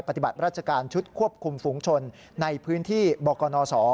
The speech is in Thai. ปฏิบัติราชการชุดควบคุมฝูงชนในพื้นที่บกนศ